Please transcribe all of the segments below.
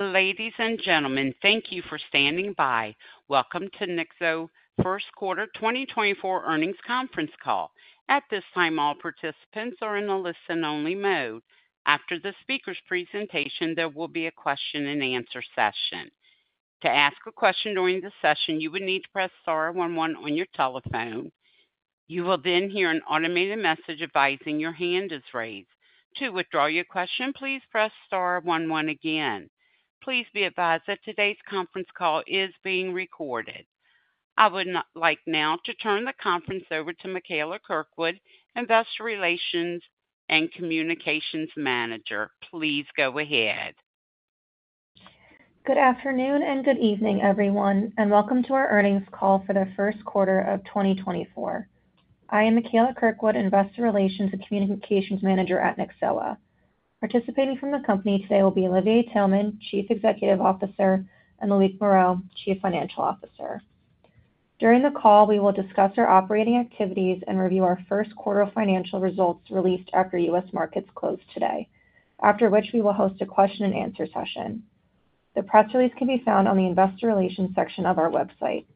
Ladies and gentlemen, thank you for standing by. Welcome to Nyxoah First Quarter 2024 Earnings Conference Call. At this time, all participants are in a listen-only mode. After the speaker's presentation, there will be a Q&A session. To ask a question during the session, you would need to press star one one on your telephone. You will then hear an automated message advising your hand is raised. To withdraw your question, please press star one one again. Please be advised that today's conference call is being recorded. I would now like to turn the conference over to Mikaela Kirkwood, Investor Relations and Communications Manager. Please go ahead. Good afternoon and good evening, everyone, and welcome to our earnings call for the first quarter of 2024. I am Mikaela Kirkwood, Investor Relations and Communications Manager at Nyxoah. Participating from the company today will be Olivier Taelman, Chief Executive Officer, and Loïc Moreau, Chief Financial Officer. During the call, we will discuss our operating activities and review our first quarter financial results released after U.S. markets close today, after which we will host a Q&A session. The press release can be found on the Investor Relations section of our website.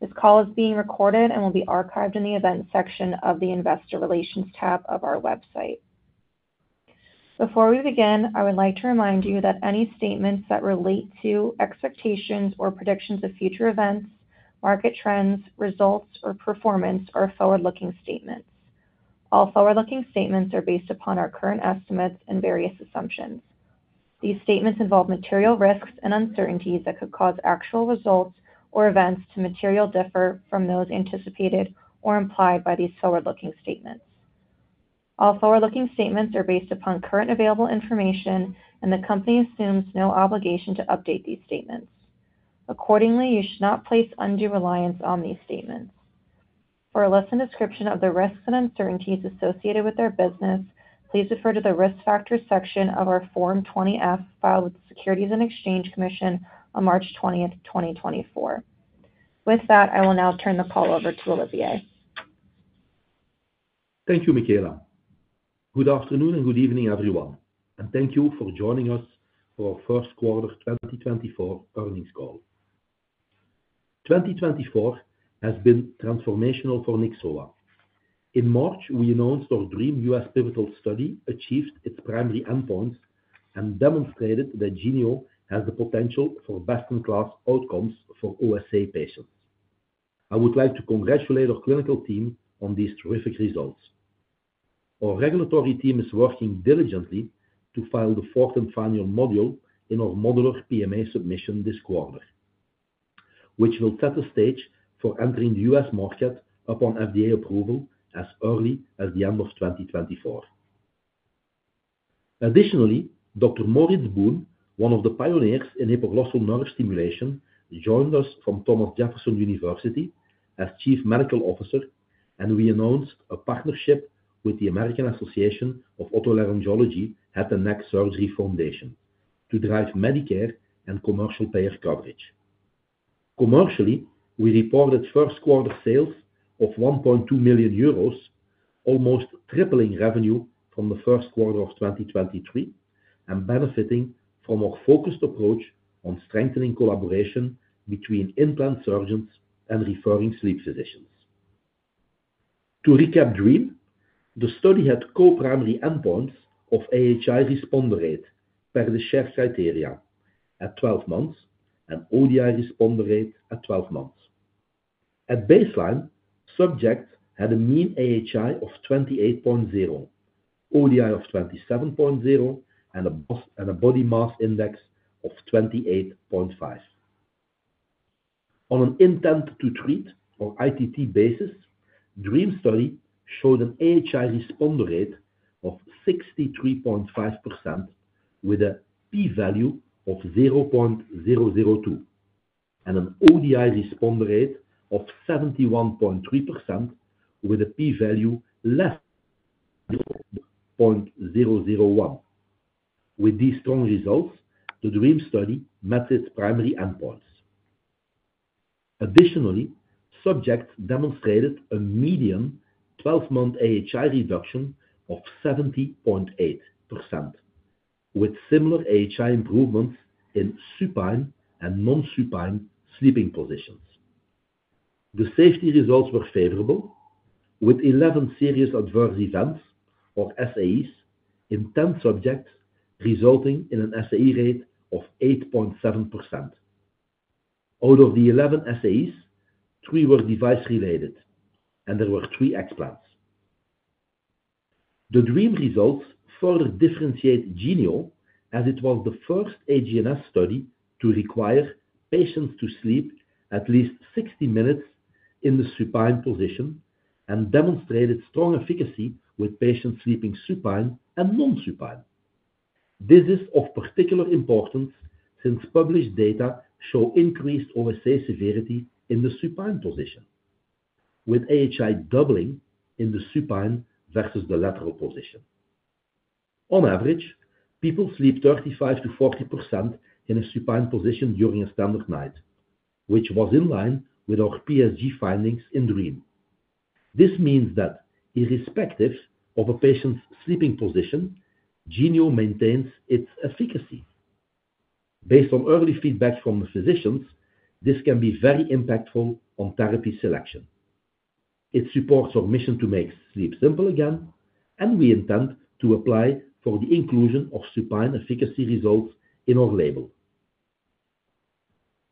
This call is being recorded and will be archived in the Events section of the Investor Relations tab of our website. Before we begin, I would like to remind you that any statements that relate to expectations or predictions of future events, market trends, results, or performance are forward-looking statements. All forward-looking statements are based upon our current estimates and various assumptions. These statements involve material risks and uncertainties that could cause actual results or events to materially differ from those anticipated or implied by these forward-looking statements. All forward-looking statements are based upon current available information, and the company assumes no obligation to update these statements. Accordingly, you should not place undue reliance on these statements. For a detailed description of the risks and uncertainties associated with our business, please refer to the Risk Factors section of our Form 20-F filed with the Securities and Exchange Commission on March 20th, 2024. With that, I will now turn the call over to Olivier. Thank you, Mikaela. Good afternoon and good evening, everyone, and thank you for joining us for our first quarter 2024 earnings call. 2024 has been transformational for Nyxoah. In March, we announced our DREAM U.S. Pivotal Study achieved its primary endpoints and demonstrated that Genio has the potential for best-in-class outcomes for OSA patients. I would like to congratulate our clinical team on these terrific results. Our regulatory team is working diligently to file the fourth and final module in our modular PMA submission this quarter, which will set the stage for entering the U.S. market upon FDA approval as early as the end of 2024. Additionally, Dr. Maurits Boone, one of the pioneers in hypoglossal nerve stimulation, joined us from Thomas Jefferson University as Chief Medical Officer, and we announced a partnership with the American Association of Otolaryngology–Head and Neck Surgery Foundation to drive Medicare and commercial payer coverage. Commercially, we reported first quarter sales of 1.2 million euros, almost tripling revenue from the first quarter of 2023 and benefiting from our focused approach on strengthening collaboration between implant surgeons and referring sleep physicians. To recap DREAM, the study had co-primary endpoints of AHI responder rate per the shared criteria at 12 months and ODI responder rate at 12 months. At baseline, subjects had a mean AHI of 28.0, ODI of 27.0, and a body mass index of 28.5. On an intent-to-treat or ITT basis, DREAM study showed an AHI responder rate of 63.5% with a p-value of 0.002 and an ODI responder rate of 71.3% with a p-value less than 0.001. With these strong results, the DREAM study met its primary endpoints. Additionally, subjects demonstrated a median 12-month AHI reduction of 70.8% with similar AHI improvements in supine and non-supine sleeping positions. The safety results were favorable, with 11 serious adverse events or SAEs in 10 subjects resulting in an SAE rate of 8.7%. Out of the 11 SAEs, three were device-related, and there were three explants. The DREAM results further differentiate Genio as it was the first HGNS study to require patients to sleep at least 60 minutes in the supine position and demonstrated strong efficacy with patients sleeping supine and non-supine. This is of particular importance since published data show increased OSA severity in the supine position, with AHI doubling in the supine versus the lateral position. On average, people sleep 35%-40% in a supine position during a standard night, which was in line with our PSG findings in DREAM. This means that irrespective of a patient's sleeping position, Genio maintains its efficacy. Based on early feedback from the physicians, this can be very impactful on therapy selection. It supports our mission to make sleep simple again, and we intend to apply for the inclusion of supine efficacy results in our label.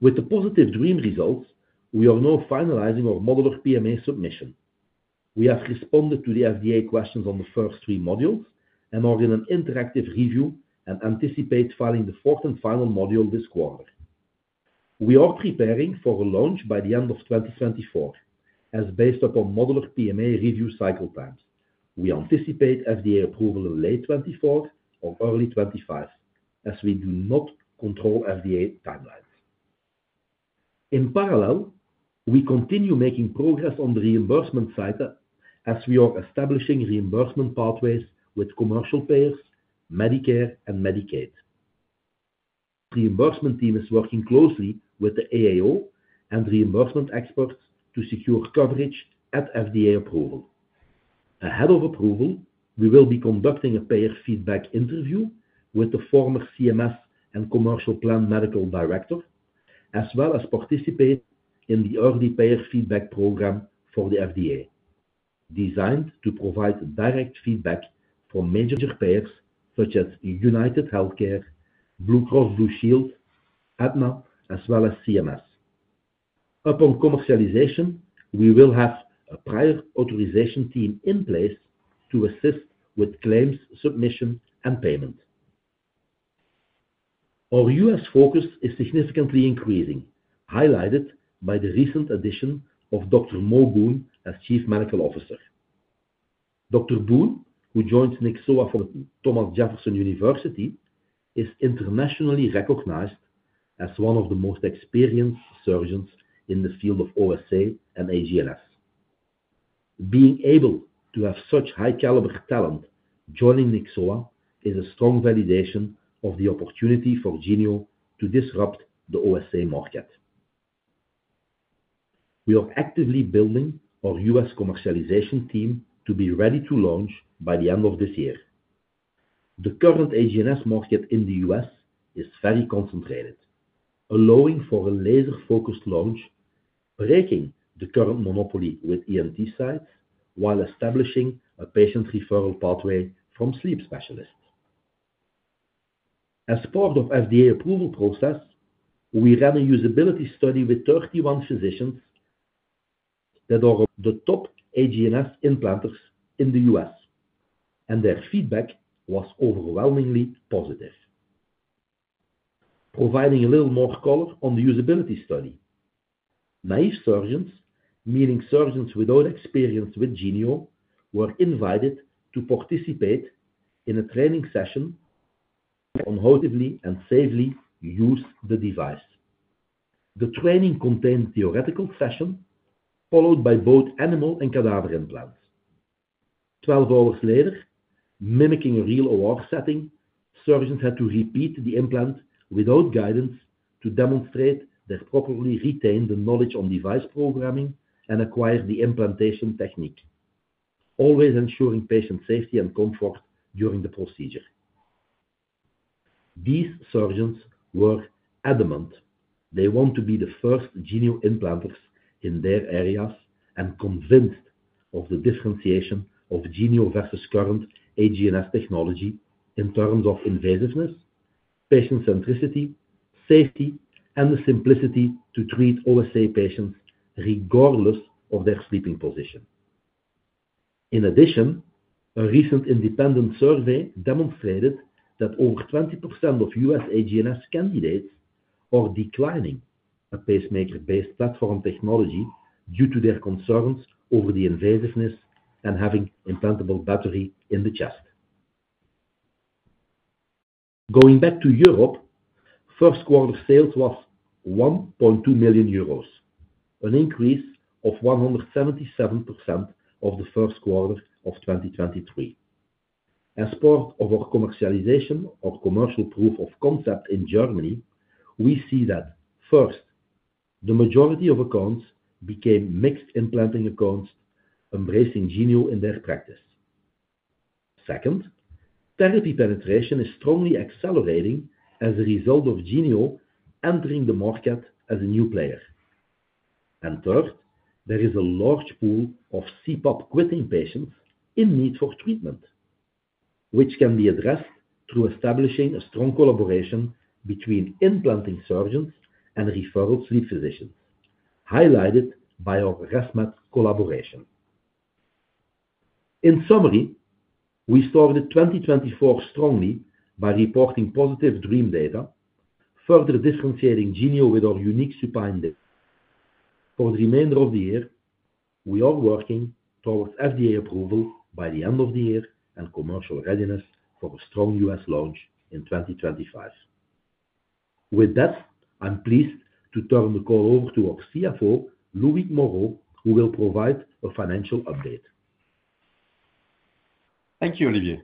With the positive DREAM results, we are now finalizing our modular PMA submission. We have responded to the FDA questions on the first three modules and are in an interactive review and anticipate filing the fourth and final module this quarter. We are preparing for a launch by the end of 2024 as based upon modular PMA review cycle times. We anticipate FDA approval in late 2024 or early 2025 as we do not control FDA timelines. In parallel, we continue making progress on the reimbursement side as we are establishing reimbursement pathways with commercial payers, Medicare, and Medicaid. The reimbursement team is working closely with the AAO and reimbursement experts to secure coverage at FDA approval. Ahead of approval, we will be conducting a payer feedback interview with the former CMS and commercial plan medical director as well as participate in the early payer feedback program for the FDA, designed to provide direct feedback from major payers such as UnitedHealthcare, Blue Cross Blue Shield, Aetna, as well as CMS. Upon commercialization, we will have a prior authorization team in place to assist with claims submission and payment. Our U.S. Focus is significantly increasing, highlighted by the recent addition of Dr. Maurits Boone as Chief Medical Officer. Dr. Boone, who joined Nyxoah from Thomas Jefferson University, is internationally recognized as one of the most experienced surgeons in the field of OSA and HGNS. Being able to have such high-caliber talent joining Nyxoah is a strong validation of the opportunity for Genio to disrupt the OSA market. We are actively building our U.S. commercialization team to be ready to launch by the end of this year. The current HGNS market in the U.S. is very concentrated, allowing for a laser-focused launch, breaking the current monopoly with ENT sites while establishing a patient referral pathway from sleep specialists. As part of the FDA approval process, we ran a usability study with 31 physicians that are the top HGNS implanters in the U.S., and their feedback was overwhelmingly positive. Providing a little more color on the usability study, naive surgeons, meaning surgeons without experience with Genio, were invited to participate in a training session on how to safely use the device. The training contained a theoretical session followed by both animal and cadaver implants. 12 hours later, mimicking a real OR setting, surgeons had to repeat the implant without guidance to demonstrate they properly retained the knowledge on device programming and acquired the implantation technique, always ensuring patient safety and comfort during the procedure. These surgeons were adamant they want to be the first Genio implanters in their areas and convinced of the differentiation of Genio versus current HGNS technology in terms of invasiveness, patient centricity, safety, and the simplicity to treat OSA patients regardless of their sleeping position. In addition, a recent independent survey demonstrated that over 20% of U.S. HGNS candidates are declining a pacemaker-based platform technology due to their concerns over the invasiveness and having implantable battery in the chest. Going back to Europe, first quarter sales was 1.2 million euros, an increase of 177% of the first quarter of 2023. As part of our commercialization or commercial proof of concept in Germany, we see that, first, the majority of accounts became mixed implanting accounts embracing Genio in their practice. Second, therapy penetration is strongly accelerating as a result of Genio entering the market as a new player. And third, there is a large pool of CPAP quitting patients in need for treatment, which can be addressed through establishing a strong collaboration between implanting surgeons and referral sleep physicians, highlighted by our ResMed collaboration. In summary, we started 2024 strongly by reporting positive DREAM data, further differentiating Genio with our unique supine data. For the remainder of the year, we are working towards FDA approval by the end of the year and commercial readiness for a strong U.S. launch in 2025. With that, I'm pleased to turn the call over to our CFO, Loïc Moreau, who will provide a financial update. Thank you, Olivier.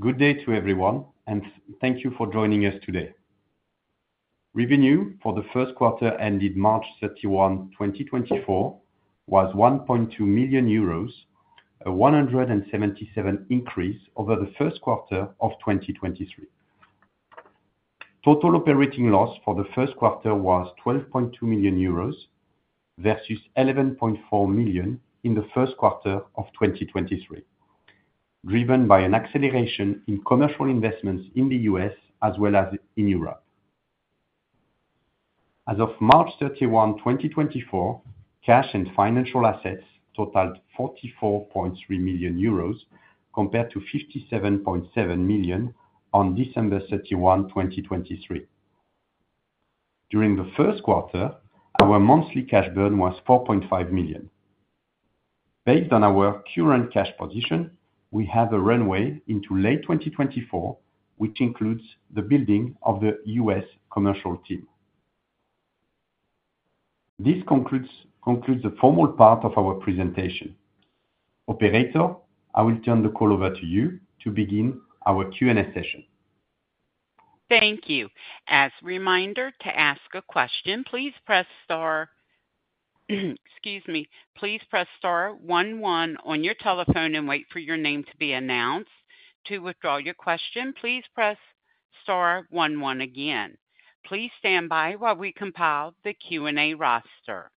Good day to everyone, and thank you for joining us today. Revenue for the first quarter ended March 31, 2024, was 1.2 million euros, a 177% increase over the first quarter of 2023. Total operating loss for the first quarter was 12.2 million euros versus 11.4 million in the first quarter of 2023, driven by an acceleration in commercial investments in the U.S. as well as in Europe. As of March 31, 2024, cash and financial assets totaled 44.3 million euros compared to 57.7 million on December 31, 2023. During the first quarter, our monthly cash burn was 4.5 million. Based on our current cash position, we have a runway into late 2024, which includes the building of the U.S. commercial team. This concludes the formal part of our presentation. Operator, I will turn the call over to you to begin our Q&A session. Thank you. As a reminder, to ask a question, please press star. Excuse me. Please press star one one on your telephone and wait for your name to be announced. To withdraw your question, please press star one one again. Please stand by while we compile the Q&A roster.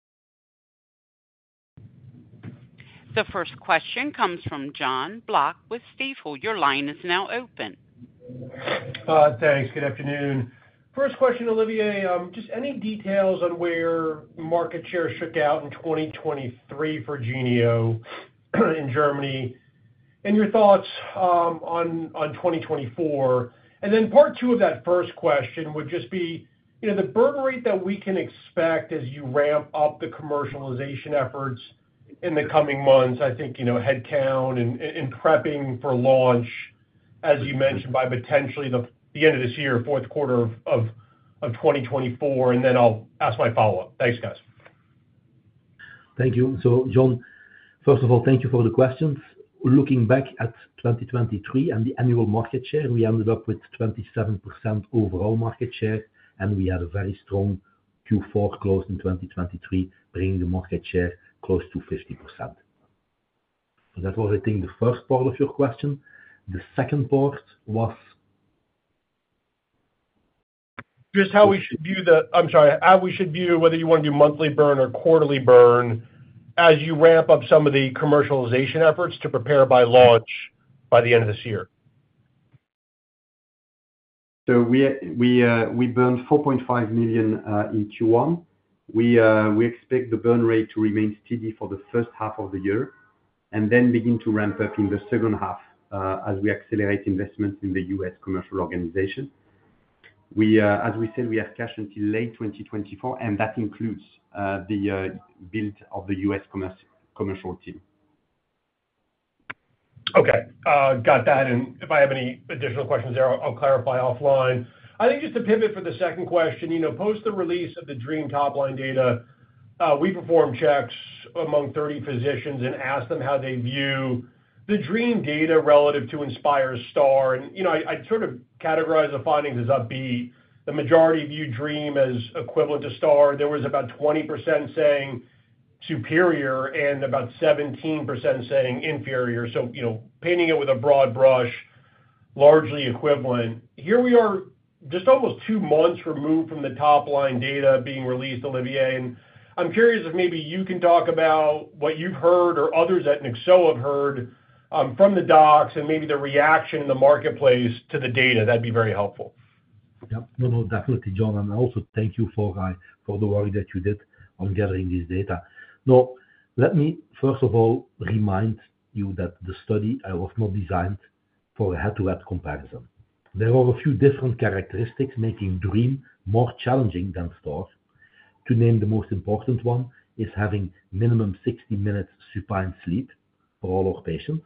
The first question comes from Jon Block with Stifel. Your line is now open. Thanks. Good afternoon. First question, Olivier, just any details on where market share stood out in 2023 for Genio in Germany and your thoughts on 2024. And then part two of that first question would just be the burn rate that we can expect as you ramp up the commercialization efforts in the coming months, I think headcount and prepping for launch, as you mentioned, by potentially the end of this year, fourth quarter of 2024. And then I'll ask my follow-up. Thanks, guys. Thank you. So, John, first of all, thank you for the questions. Looking back at 2023 and the annual market share, we ended up with 27% overall market share, and we had a very strong Q4 close in 2023, bringing the market share close to 50%. That was, I think, the first part of your question. The second part was. Just how we should view whether you want to do monthly burn or quarterly burn as you ramp up some of the commercialization efforts to prepare by launch by the end of this year. We burned 4.5 million in Q1. We expect the burn rate to remain steady for the first half of the year and then begin to ramp up in the second half as we accelerate investments in the U.S. commercial organization. As we said, we have cash until late 2024, and that includes the build of the U.S. commercial team. Okay. Got that. And if I have any additional questions there, I'll clarify offline. I think just to pivot for the second question, post the release of the DREAM topline data, we performed checks among 30 physicians and asked them how they view the DREAM data relative to Inspire STAR. And I'd sort of categorize the findings as upbeat. The majority viewed DREAM as equivalent to STAR. There was about 20% saying superior and about 17% saying inferior. So painting it with a broad brush, largely equivalent. Here we are, just almost 2 months removed from the topline data being released, Olivier. And I'm curious if maybe you can talk about what you've heard or others at Nyxoah have heard from the docs and maybe the reaction in the marketplace to the data. That'd be very helpful. Yep. No, no, definitely, John. And also, thank you for the work that you did on gathering this data. Now, let me, first of all, remind you that the study was not designed for a head-to-head comparison. There are a few different characteristics making DREAM more challenging than STAR. To name the most important one is having minimum 60 minutes supine sleep for all our patients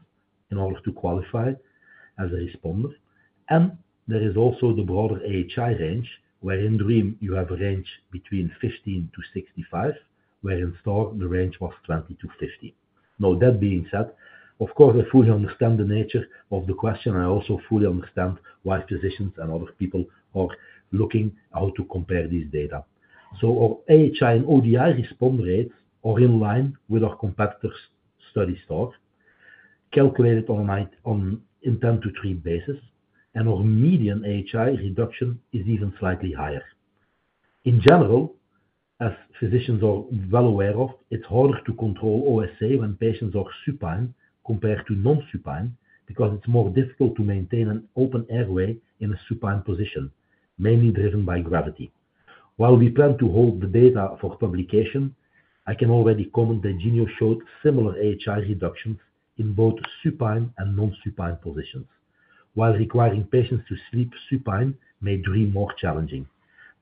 in order to qualify as a responder. And there is also the broader AHI range where in DREAM, you have a range between 15-65, where in STAR, the range was 20-50. Now, that being said, of course, I fully understand the nature of the question. I also fully understand why physicians and other people are looking at how to compare these data. So our AHI and ODI response rates are in line with our competitor's STAR study, calculated on a 10-to-3 basis, and our median AHI reduction is even slightly higher. In general, as physicians are well aware of, it's harder to control OSA when patients are supine compared to non-supine because it's more difficult to maintain an open airway in a supine position, mainly driven by gravity. While we plan to hold the data for publication, I can already comment that Genio showed similar AHI reductions in both supine and non-supine positions, while requiring patients to sleep supine may make DREAM more challenging.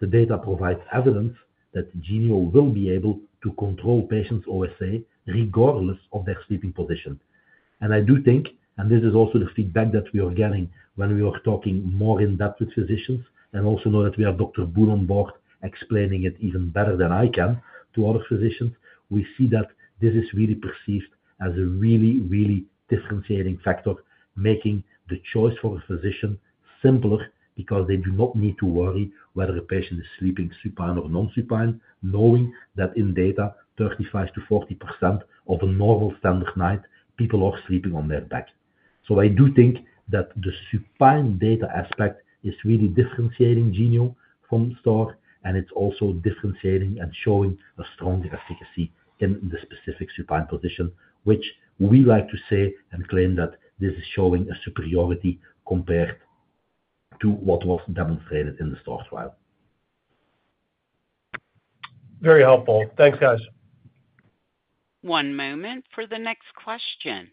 The data provides evidence that Genio will be able to control patients' OSA regardless of their sleeping position. And I do think, and this is also the feedback that we are getting when we are talking more in-depth with physicians and also know that we have Dr. Boone on board explaining it even better than I can to other physicians, we see that this is really perceived as a really, really differentiating factor, making the choice for a physician simpler because they do not need to worry whether a patient is sleeping supine or non-supine, knowing that in data, 35%-40% of a normal standard night, people are sleeping on their back. So I do think that the supine data aspect is really differentiating Genio from STAR, and it's also differentiating and showing a stronger efficacy in the specific supine position, which we like to say and claim that this is showing a superiority compared to what was demonstrated in the STAR trial. Very helpful. Thanks, guys. One moment for the next question.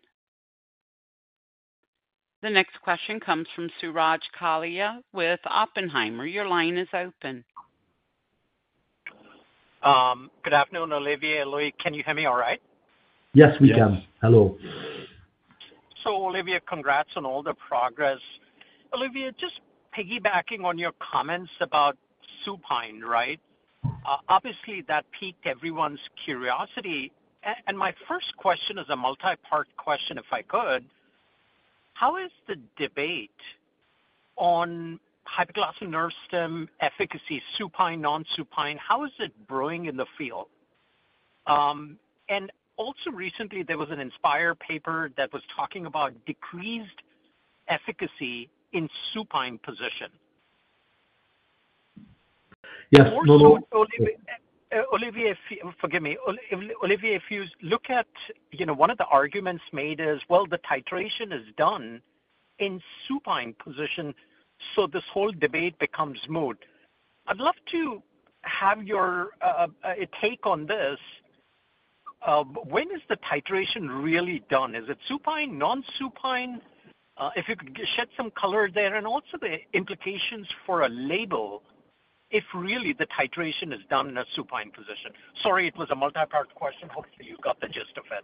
The next question comes from Suraj Kalia with Oppenheimer. Your line is open. Good afternoon, Olivier. Loïc, can you hear me all right? Yes, we can. Hello. So, Olivier, congrats on all the progress. Olivier, just piggybacking on your comments about supine, right? Obviously, that piqued everyone's curiosity. And my first question is a multi-part question, if I could. How is the debate on hypoglossal nerve stim efficacy, supine, non-supine, how is it growing in the field? And also recently, there was an Inspire paper that was talking about decreased efficacy in supine position. Yes. More so, Olivier, forgive me. Olivier, if you look at one of the arguments made is, "Well, the titration is done in supine position," so this whole debate becomes moot. I'd love to have your take on this. When is the titration really done? Is it supine, non-supine? If you could shed some color there and also the implications for a label if really the titration is done in a supine position. Sorry, it was a multi-part question. Hopefully, you got the gist of it.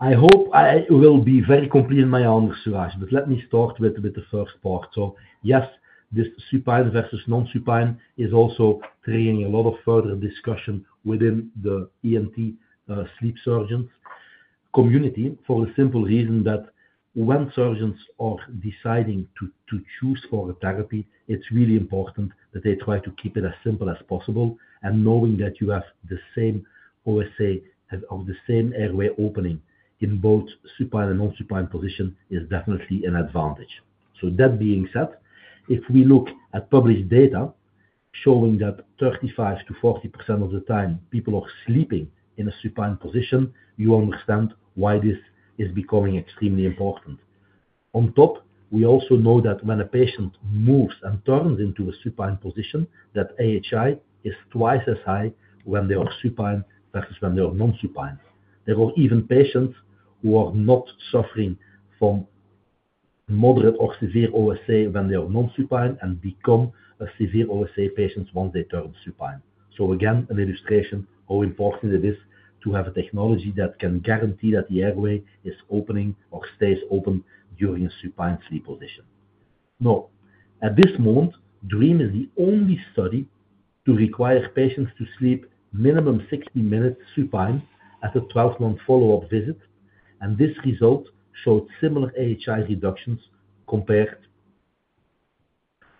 I hope it will be very complete in my honour, Suraj, but let me start with the first part. So yes, this supine versus non-supine is also triggering a lot of further discussion within the ENT sleep surgeons community for the simple reason that when surgeons are deciding to choose for a therapy, it's really important that they try to keep it as simple as possible. And knowing that you have the same OSA or the same airway opening in both supine and non-supine position is definitely an advantage. So that being said, if we look at published data showing that 35%-40% of the time, people are sleeping in a supine position, you understand why this is becoming extremely important. On top, we also know that when a patient moves and turns into a supine position, that AHI is twice as high when they are supine versus when they are non-supine. There are even patients who are not suffering from moderate or severe OSA when they are non-supine and become severe OSA patients once they turn supine. So again, an illustration how important it is to have a technology that can guarantee that the airway is opening or stays open during a supine sleep position. Now, at this moment, DREAM is the only study to require patients to sleep minimum 60 minutes supine at a 12-month follow-up visit. And this result showed similar AHI reductions compared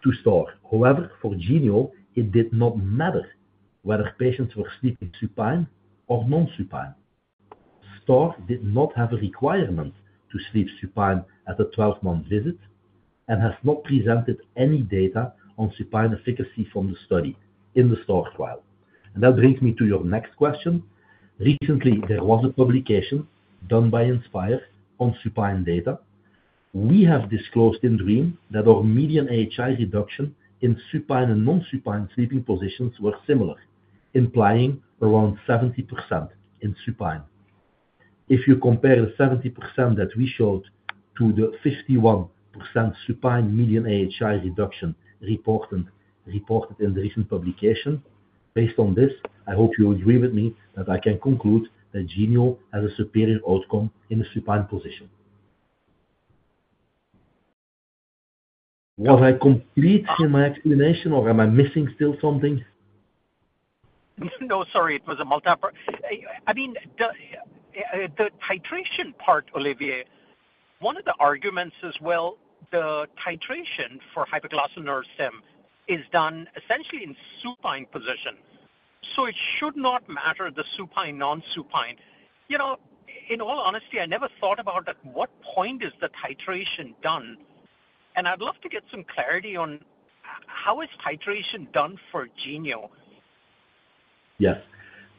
to STAR. However, for Genio, it did not matter whether patients were sleeping supine or non-supine. STAR did not have a requirement to sleep supine at a 12-month visit and has not presented any data on supine efficacy from the study in the STAR trial. That brings me to your next question. Recently, there was a publication done by Inspire on supine data. We have disclosed in DREAM that our median AHI reduction in supine and non-supine sleeping positions was similar, implying around 70% in supine. If you compare the 70% that we showed to the 51% supine median AHI reduction reported in the recent publication, based on this, I hope you agree with me that I can conclude that Genio has a superior outcome in a supine position. Was I complete in my explanation, or am I missing still something? No, sorry. It was a multi-part. I mean, the titration part, Olivier, one of the arguments is, well, the titration for hypoglossal nerve stim is done essentially in supine position. So it should not matter, the supine, non-supine. In all honesty, I never thought about at what point is the titration done? And I'd love to get some clarity on how is titration done for Genio? Yes.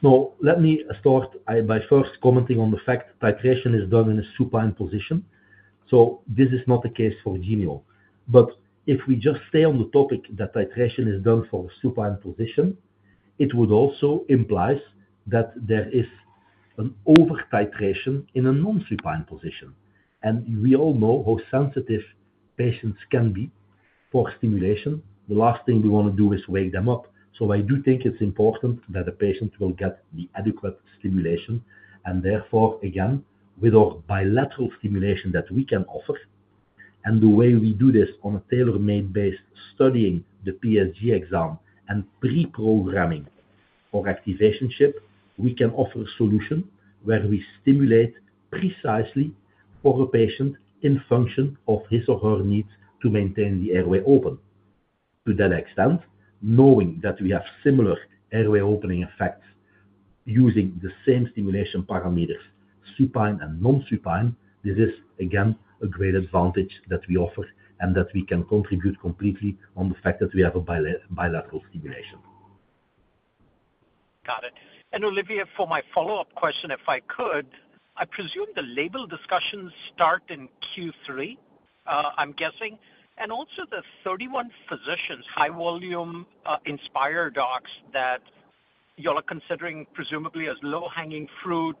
Now, let me start by first commenting on the fact that titration is done in a supine position. So this is not the case for Genio. But if we just stay on the topic that titration is done for a supine position, it would also imply that there is an over-titration in a non-supine position. And we all know how sensitive patients can be for stimulation. The last thing we want to do is wake them up. So I do think it's important that a patient will get the adequate stimulation. And therefore, again, with our bilateral stimulation that we can offer and the way we do this on a tailor-made basis, studying the PSG exam and pre-programming for activation chip, we can offer a solution where we stimulate precisely for a patient in function of his or her needs to maintain the airway open. To that extent, knowing that we have similar airway opening effects using the same stimulation parameters, supine and non-supine, this is, again, a great advantage that we offer and that we can contribute completely on the fact that we have a bilateral stimulation. Got it. And Olivier, for my follow-up question, if I could, I presume the label discussions start in Q3, I'm guessing, and also the 31 physicians, high-volume Inspire docs that you're considering presumably as low-hanging fruit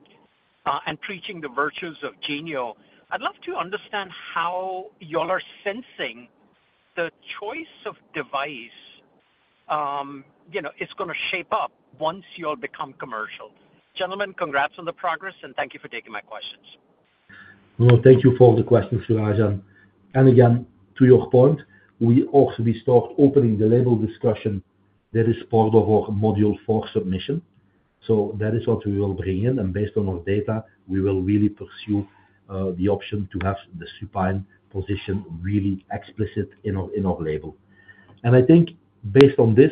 and preaching the virtues of Genio, I'd love to understand how you're sensing the choice of device is going to shape up once you'll become commercial. Gentlemen, congrats on the progress, and thank you for taking my questions. Well, thank you for the question, Suraj. And again, to your point, we also start opening the label discussion that is part of our module four submission. So that is what we will bring in. And based on our data, we will really pursue the option to have the supine position really explicit in our label. And I think based on this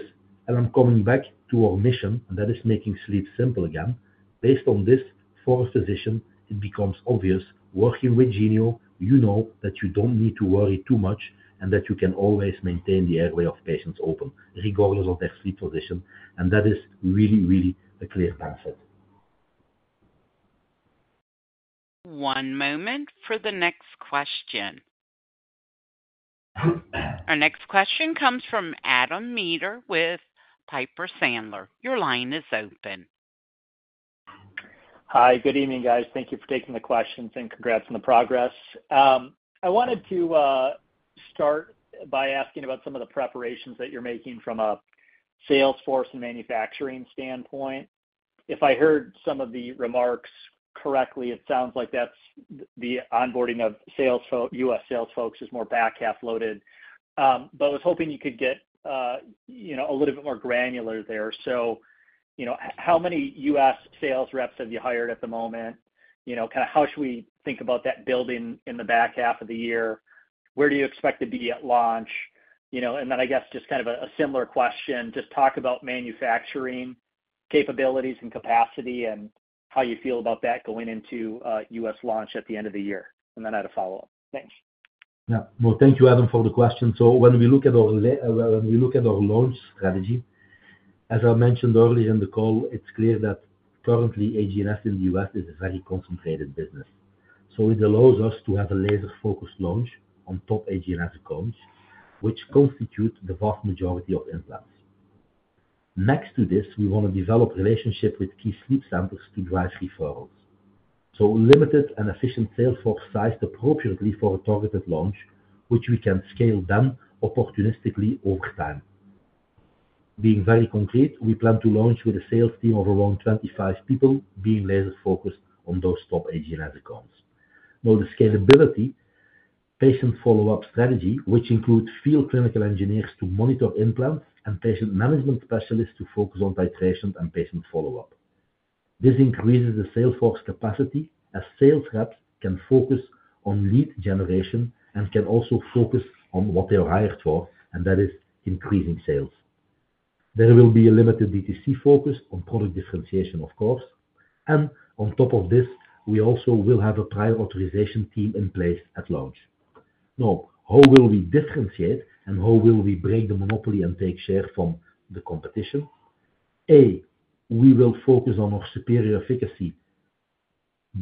and I'm coming back to our mission, and that is making sleep simple again, based on this, for a physician, it becomes obvious, working with Genio, you know that you don't need to worry too much and that you can always maintain the airway of patients open regardless of their sleep position. And that is really, really a clear mindset. One moment for the next question. Our next question comes from Adam Maeder with Piper Sandler. Your line is open. Hi. Good evening, guys. Thank you for taking the questions and congrats on the progress. I wanted to start by asking about some of the preparations that you're making from a sales force and manufacturing standpoint. If I heard some of the remarks correctly, it sounds like that's the onboarding of U.S. sales folks is more back half loaded. But I was hoping you could get a little bit more granular there. So how many U.S. sales reps have you hired at the moment? Kind of how should we think about that building in the back half of the year? Where do you expect to be at launch? And then I guess just kind of a similar question, just talk about manufacturing capabilities and capacity and how you feel about that going into U.S. launch at the end of the year. And then I had a follow-up. Thanks. Yeah. Well, thank you, Adam, for the question. So when we look at our launch strategy, as I mentioned earlier in the call, it's clear that currently, HGNS in the U.S. is a very concentrated business. So it allows us to have a laser-focused launch on top HGNS accounts, which constitute the vast majority of implants. Next to this, we want to develop a relationship with key sleep centers to drive referrals. So limited and efficient sales force sized appropriately for a targeted launch, which we can scale then opportunistically over time. Being very concrete, we plan to launch with a sales team of around 25 people being laser-focused on those top HGNS accounts. Now, the scalability, patient follow-up strategy, which includes field clinical engineers to monitor implants and patient management specialists to focus on titration and patient follow-up. This increases the sales force capacity as sales reps can focus on lead generation and can also focus on what they are hired for, and that is increasing sales. There will be a limited DTC focus on product differentiation, of course. On top of this, we also will have a prior authorization team in place at launch. Now, how will we differentiate and how will we break the monopoly and take share from the competition? A, we will focus on our superior efficacy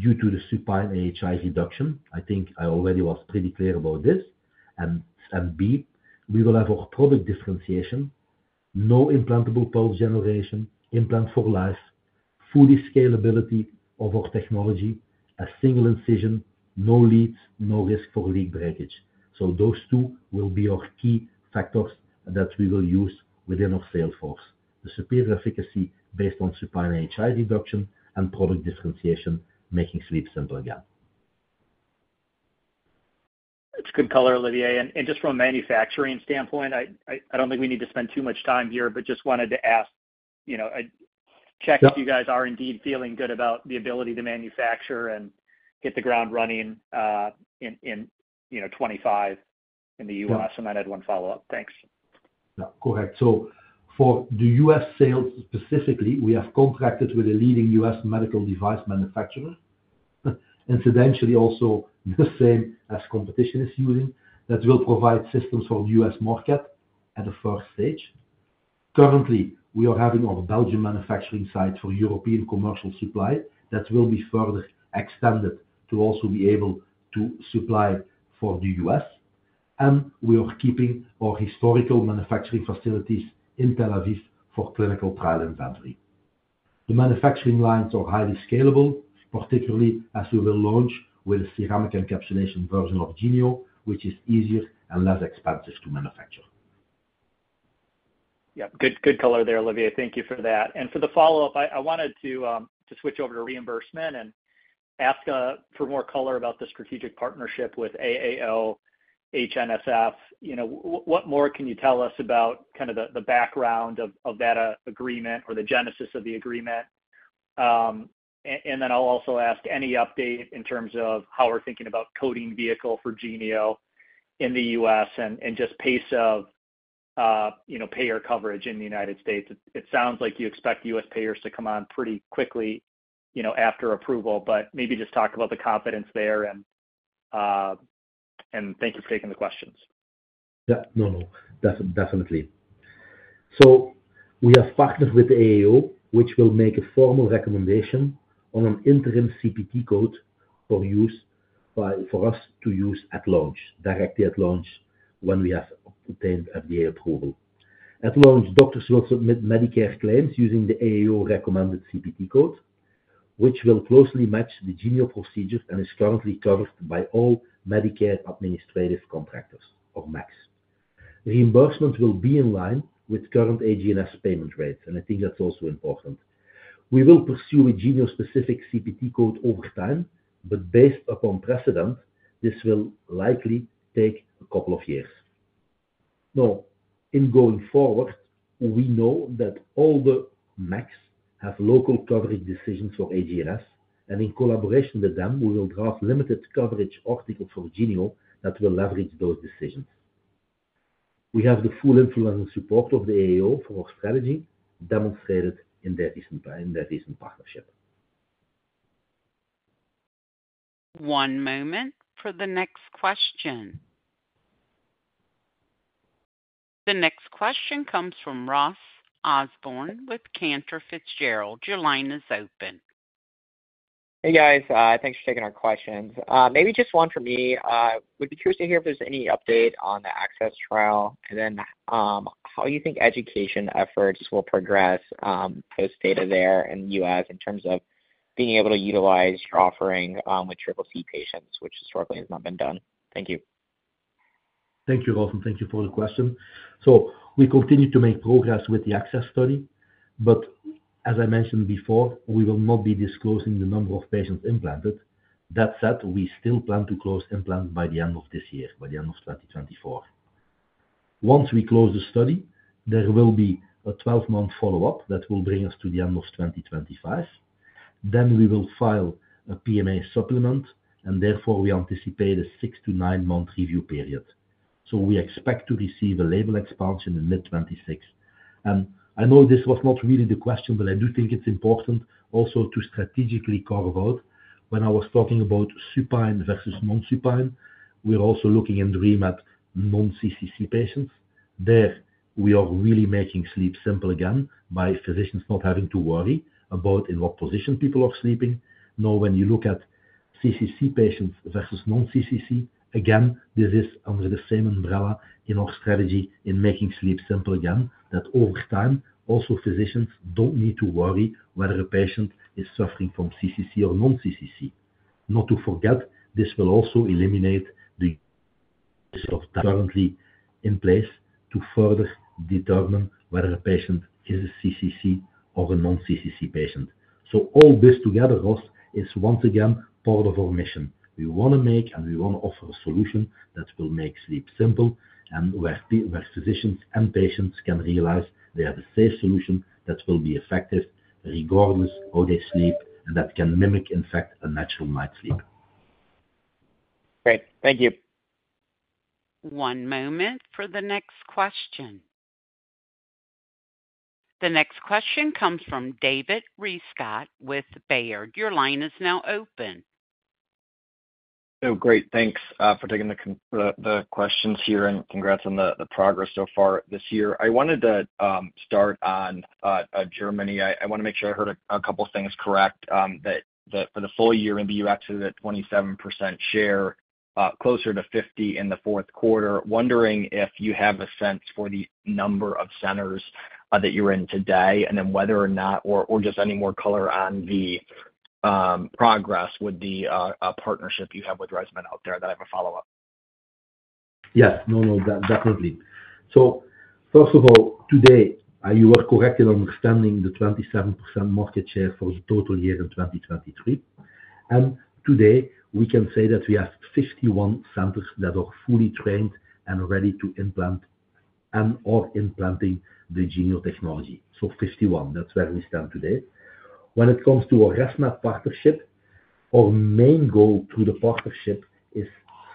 due to the supine AHI reduction. I think I already was pretty clear about this. And B, we will have our product differentiation, no implantable pulse generator, implant for life, full scalability of our technology, a single incision, no leads, no risk for lead breakage. Those two will be our key factors that we will use within our sales force, the superior efficacy based on supine AHI reduction and product differentiation, making sleep simple again. That's good color, Olivier. Just from a manufacturing standpoint, I don't think we need to spend too much time here, but just wanted to ask, check if you guys are indeed feeling good about the ability to manufacture and get the ground running in 2025 in the U.S. Then I had one follow-up. Thanks. Yeah, correct. So for the U.S. sales specifically, we have contracted with a leading U.S. medical device manufacturer, incidentally also the same as competition is using, that will provide systems for the U.S. market at the first stage. Currently, we are having our Belgian manufacturing site for European commercial supply that will be further extended to also be able to supply for the U.S. And we are keeping our historical manufacturing facilities in Tel Aviv for clinical trial inventory. The manufacturing lines are highly scalable, particularly as we will launch with a ceramic encapsulation version of Genio, which is easier and less expensive to manufacture. Yeah. Good color there, Olivier. Thank you for that. For the follow-up, I wanted to switch over to reimbursement and ask for more color about the strategic partnership with AAO-HNSF. What more can you tell us about kind of the background of that agreement or the genesis of the agreement? I'll also ask any update in terms of how we're thinking about coding vehicle for Genio in the U.S. and just pace of payer coverage in the United States. It sounds like you expect U.S. payers to come on pretty quickly after approval, but maybe just talk about the confidence there. Thank you for taking the questions. Yeah. No, no. Definitely. So we are partnered with AAO, which will make a formal recommendation on an interim CPT code for us to use at launch, directly at launch when we have obtained FDA approval. At launch, doctors will submit Medicare claims using the AAO-recommended CPT code, which will closely match the Genio procedure and is currently covered by all Medicare administrative contractors or MACS. Reimbursement will be in line with current HGNS payment rates. And I think that's also important. We will pursue a Genio-specific CPT code over time, but based upon precedent, this will likely take a couple of years. Now, in going forward, we know that all the MACS have local coverage decisions for HGNS. And in collaboration with them, we will draft limited coverage articles for Genio that will leverage those decisions. We have the full influence and support of the AAO for our strategy demonstrated in their recent partnership. One moment for the next question. The next question comes from Ross Osborn with Cantor Fitzgerald. Your line is open. Hey, guys. Thanks for taking our questions. Maybe just one for me. I would be curious to hear if there's any update on the ACCESS trial and then how you think education efforts will progress post-data there in the U.S. in terms of being able to utilize your offering with CCC patients, which historically has not been done. Thank you. Thank you, Ross. Thank you for the question. We continue to make progress with the ACCESS study. As I mentioned before, we will not be disclosing the number of patients implanted. That said, we still plan to close implants by the end of this year, by the end of 2024. Once we close the study, there will be a 12-month follow-up that will bring us to the end of 2025. We will file a PMA supplement. Therefore, we anticipate a 6-9-month review period. We expect to receive a label expansion in mid-2026. I know this was not really the question, but I do think it's important also to strategically carve out when I was talking about supine versus non-supine, we're also looking and dreaming at non-CCC patients. There, we are really making sleep simple again by physicians not having to worry about in what position people are sleeping. Now, when you look at CCC patients versus non-CCC, again, this is under the same umbrella in our strategy in making sleep simple again that over time, also physicians don't need to worry whether a patient is suffering from CCC or non-CCC. Not to forget, this will also eliminate the risk of currently in place to further determine whether a patient is a CCC or a non-CCC patient. So all this together, Ross, is once again part of our mission. We want to make and we want to offer a solution that will make sleep simple and where physicians and patients can realize they have a safe solution that will be effective regardless of how they sleep and that can mimic, in fact, a natural night's sleep. Great. Thank you. One moment for the next question. The next question comes from David Rescott with Baird. Your line is now open. Oh, great. Thanks for taking the questions here and congrats on the progress so far this year. I wanted to start on Germany. I want to make sure I heard a couple of things correct, that for the full year, maybe you actually hit a 27% share, closer to 50% in the fourth quarter. Wondering if you have a sense for the number of centers that you're in today and then whether or not, or just any more color on the progress with the partnership you have with ResMed out there, that I have a follow-up. Yes. No, no. Definitely. So first of all, today, you were correct in understanding the 27% market share for the total year in 2023. And today, we can say that we have 51 centers that are fully trained and ready to implant and/or implanting the Genio technology. So 51. That's where we stand today. When it comes to our ResMed partnership, our main goal through the partnership is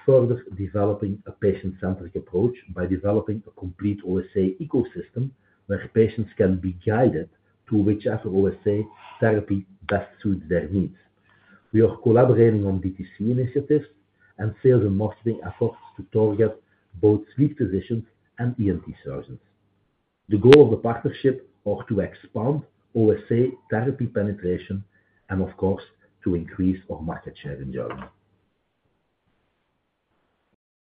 further developing a patient-centric approach by developing a complete OSA ecosystem where patients can be guided to whichever OSA therapy best suits their needs. We are collaborating on DTC initiatives and sales and marketing efforts to target both sleep physicians and ENT surgeons. The goal of the partnership is to expand OSA therapy penetration and, of course, to increase our market share in Germany.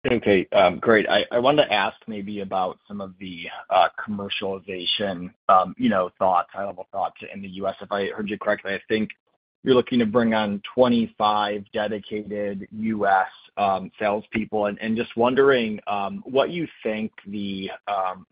Okay. Great. I wanted to ask maybe about some of the commercialization thoughts, high-level thoughts in the U.S. If I heard you correctly, I think you're looking to bring on 25 dedicated U.S. salespeople. And just wondering what you think the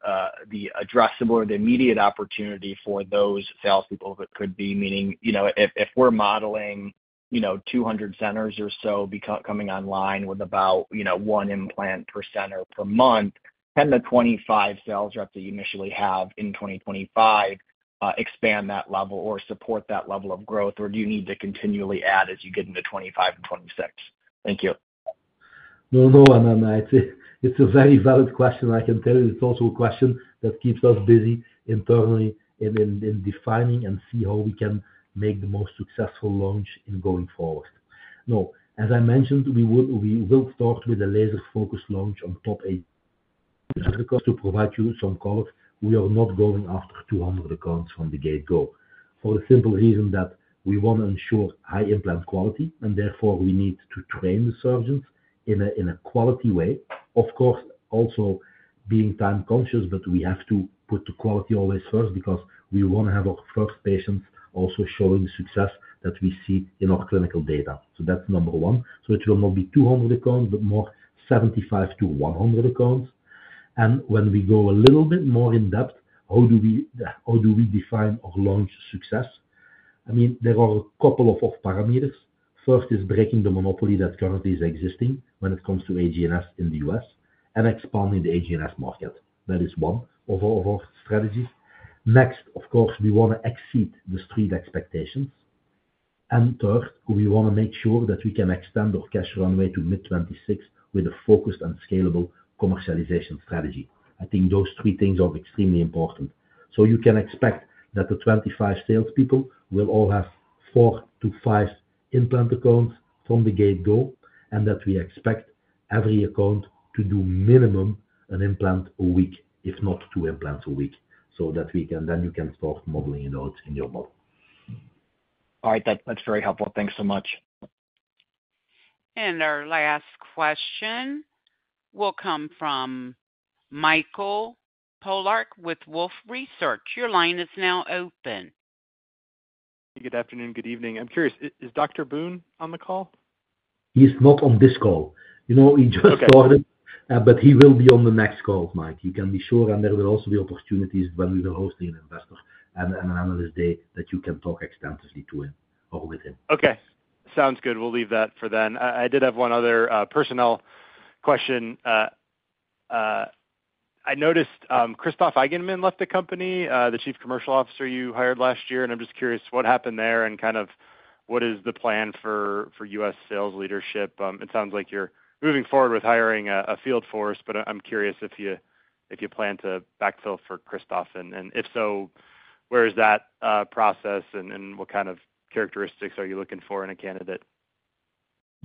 addressable or the immediate opportunity for those salespeople could be, meaning if we're modeling 200 centers or so coming online with about one implant per center per month, can the 25 sales reps that you initially have in 2025 expand that level or support that level of growth, or do you need to continually add as you get into 2025 and 2026? Thank you. No, no. It's a very valid question. I can tell you it's also a question that keeps us busy internally in defining and see how we can make the most successful launch going forward. Now, as I mentioned, we will start with a laser-focused launch on top HGNS because to provide you some colors, we are not going after 200 accounts from the get-go for the simple reason that we want to ensure high implant quality. And therefore, we need to train the surgeons in a quality way, of course, also being time-conscious, but we have to put the quality always first because we want to have our first patients also showing the success that we see in our clinical data. So that's number one. So it will not be 200 accounts, but more 75-100 accounts. When we go a little bit more in-depth, how do we define our launch success? I mean, there are a couple of parameters. First is breaking the monopoly that currently is existing when it comes to HGNS in the U.S. and expanding the HGNS market. That is one of our strategies. Next, of course, we want to exceed the street expectations. And third, we want to make sure that we can extend our cash runway to mid-2026 with a focused and scalable commercialization strategy. I think those three things are extremely important. So you can expect that the 25 salespeople will all have 4-5 implant accounts from the get-go and that we expect every account to do minimum an implant a week, if not 2 implants a week so that then you can start modeling it out in your model. All right. That's very helpful. Thanks so much. Our last question will come from Mike Polark with Wolfe Research. Your line is now open. Good afternoon. Good evening. I'm curious, is Dr. Boone on the call? He's not on this call. He just started, but he will be on the next call, Mike. You can be sure and there will also be opportunities when we will host an investor and an analyst day that you can talk extensively to him or with him. Okay. Sounds good. We'll leave that for then. I did have one other personnel question. I noticed Christoph Eigenmann left the company, the Chief Commercial Officer you hired last year. And I'm just curious what happened there and kind of what is the plan for U.S. sales leadership? It sounds like you're moving forward with hiring a field force, but I'm curious if you plan to backfill for Christoph. And if so, where is that process and what kind of characteristics are you looking for in a candidate?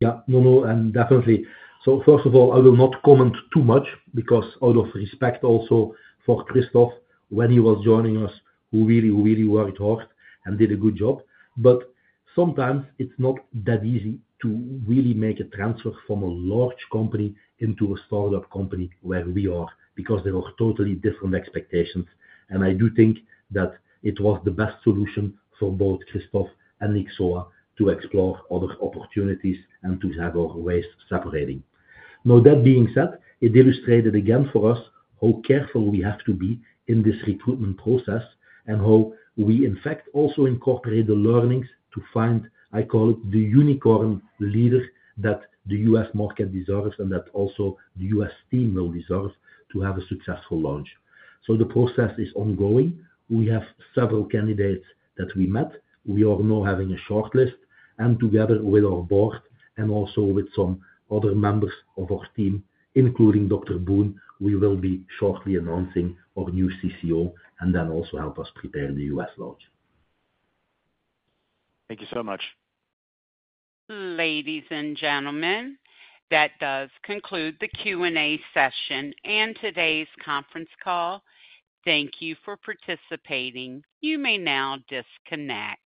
Yeah. No, no. And definitely. So first of all, I will not comment too much because out of respect also for Christoph when he was joining us, who really worked hard and did a good job. But sometimes it's not that easy to really make a transfer from a large company into a startup company where we are because there are totally different expectations. And I do think that it was the best solution for both Christoph and Nyxoah to explore other opportunities and to have our ways separating. Now, that being said, it illustrated again for us how careful we have to be in this recruitment process and how we, in fact, also incorporate the learnings to find, I call it, the unicorn leader that the U.S. market deserves and that also the U.S. team will deserve to have a successful launch. So the process is ongoing. We have several candidates that we met. We are now having a shortlist. Together with our board and also with some other members of our team, including Dr. Boone, we will be shortly announcing our new CCO and then also help us prepare the U.S. launch. Thank you so much. Ladies and gentlemen, that does conclude the Q&A session and today's conference call. Thank you for participating. You may now disconnect.